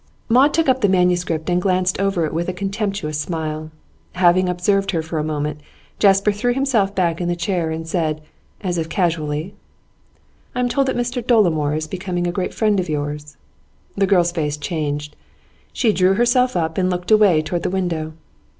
Maud took up the manuscript and glanced over it with a contemptuous smile. Having observed her for a moment, Jasper threw himself back in the chair and said, as if casually: 'I am told that Mr Dolomore is becoming a great friend of yours.' The girl's face changed. She drew herself up, and looked away towards the window.